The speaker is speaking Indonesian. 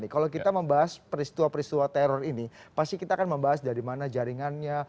kalau kita membahas peristiwa peristiwa teror ini pasti kita akan membahas dari mana jaringannya